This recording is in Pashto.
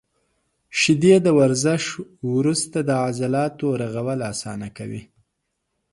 • شیدې د ورزش وروسته د عضلاتو رغول اسانه کوي.